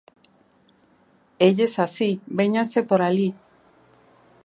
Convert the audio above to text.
¡Élles así, véñanse por alí!